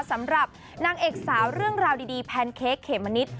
สำหรับนางเอกสาวเรื่องราวดีแพนเค้กเขมมะนิด